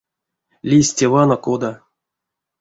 Лиссь те вана кода.